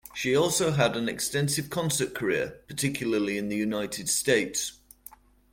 She also had an extensive concert career, particularly in the United States.